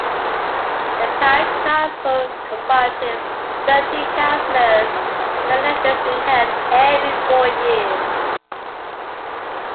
The parish council comprises thirteen councillors with elections being held every four years.